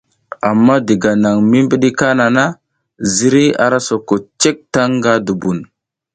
Amma diga nan mi bi kana na, zirey ara soko cek taŋ nga dubuno.